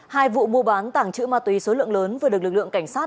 hai vụ mua bán tàng trữ ma túy số lượng lớn vừa được lực lượng cảnh sát